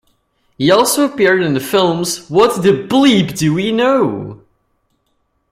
He also appeared in the films What the Bleep Do We Know!?